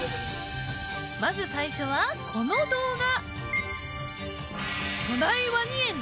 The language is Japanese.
まず最初はこの動画。